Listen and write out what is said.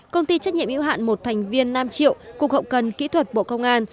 công ty trách nhiệm yêu hạn một thành viên nam triệu cục hậu cần kỹ thuật bộ công an